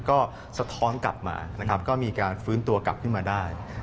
ก็สะท้อนกลับมามีการฟื้นตัวกลับขึ้นมาได้